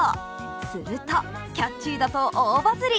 すると、キャッチーだと大バズり。